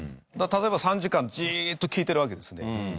だから例えば３時間ジーッと聞いてるわけですね。